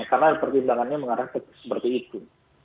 karena pertimbangannya mengarah seperti itu